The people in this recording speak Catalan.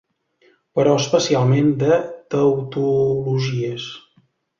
Però especialment de tautologies.